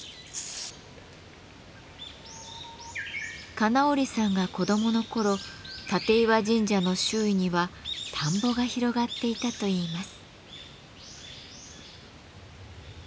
金折さんが子どもの頃立石神社の周囲には田んぼが広がっていたといいます。